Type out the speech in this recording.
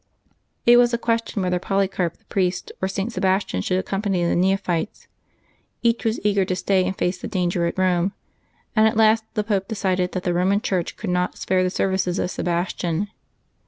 It was a question whether Polycarp the priest or St. Sebastian should accompany the neophytes. Each was eager to stay and face the danger at Eome, and at last the Pope decided that the Eoman church could not spare the services of Sebastian.